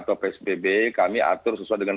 kalau itu pembukaan kita harus mencari narkoba